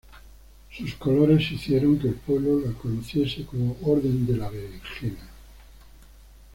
Sus colores hicieron que el pueblo la conociese como "Orden de la Berenjena".